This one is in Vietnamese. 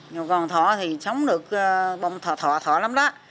giờ còn thọ thì sống được bông thọ thọ thọ lắm đó